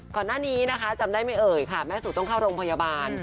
ก่อนหน้านี้จำได้ไม่เอ๋ยแม่สูตรต้องเข้าโรงพยาบาล